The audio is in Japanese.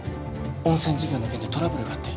温泉事業の件でトラブルがあって。